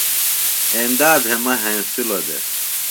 ایندا بھےۡ مہ ہینسِلوۡ دےۡ